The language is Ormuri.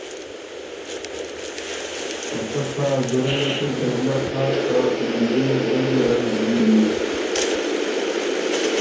که ”څۀ سا زِرئ ت اِر دې وُلّک هۀ که لُنګي وې بو ګه ګیرډ زېبی“